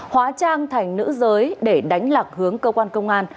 hóa trang thành nữ giới để đánh lạc hướng cơ quan công an